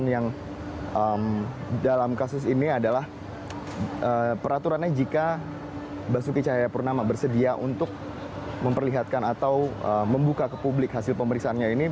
yang dalam kasus ini adalah peraturannya jika basuki cahayapurnama bersedia untuk memperlihatkan atau membuka ke publik hasil pemeriksaannya ini